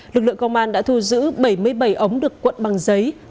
lực lượng công an đã thu giữ bảy mươi bảy ống được cuộn bằng giấy